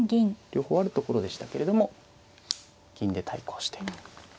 両方あるところでしたけれども銀で対抗して。